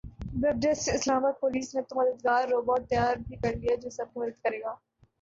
web desk Islamabad پولیس نے تو مددگار روبوٹ تیار بھی کرلیا جو سب کی مدد کرے گا